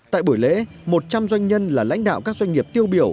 tại buổi lễ một trăm linh doanh nhân là lãnh đạo các doanh nghiệp tiêu biểu